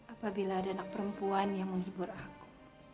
apabila ada anak perempuan yang menghibur aku